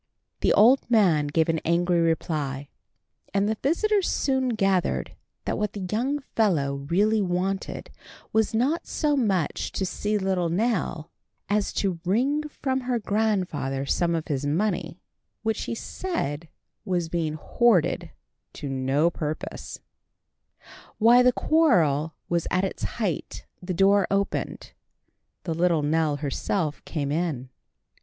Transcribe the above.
The old man gave an angry reply, and the visitor soon gathered that what the young fellow really wanted was not so much to see Little Nell as to wring from her grandfather some of his money, which he said was being hoarded to no purpose. [Illustration: The old man gave an angry reply] While the quarrel was at its height the door opened, and Little Nell herself came in.